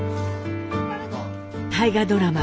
大河ドラマ